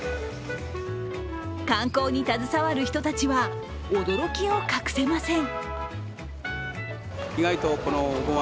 観光に携わる人たちは、驚きを隠せません。